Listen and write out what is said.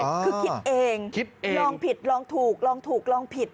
คือคิดเองคิดเองลองผิดลองถูกลองถูกลองผิด